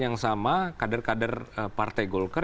yang sama kader kader partai golkar